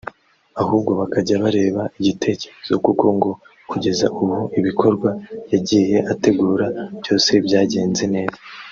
ahubwo bakajya bareba igitekerezo kuko ngo kugeza ubu ibikorwa yagiye ategura byose byagenze neza